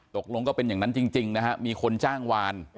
ตกลงก็เป็นอย่างนั้นจริงจริงมีคนจ้างวาน